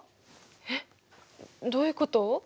えっどういうこと？